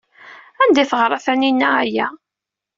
Anda ay teɣra Taninna aya?